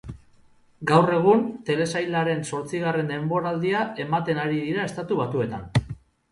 Gaur egun telesailaren zortzigarren denboraldia ematen ari dira Estatu Batuetan.